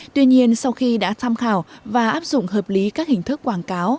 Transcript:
tuy nhiên sau khi đã tham khảo và áp dụng hợp lý các hình thức quảng cáo